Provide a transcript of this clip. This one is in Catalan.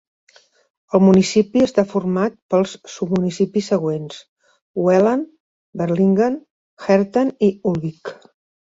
El municipi està format pels submunicipis següents: Wellen, Berlingen, Herten i Ulbeek.